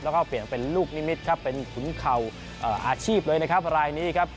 แล้วก็เปลี่ยนเป็นลูกนิมิตรครับเป็นขุนเข่าอาชีพเลยนะครับรายนี้ครับ